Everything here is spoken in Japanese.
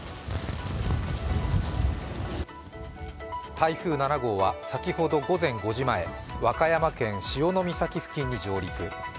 台風７号は先ほど午前５時前に和歌山県潮岬付近に上陸。